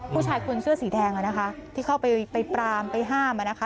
ผู้ชายคนเสื้อสีแดงนะคะที่เข้าไปปรามไปห้ามนะคะ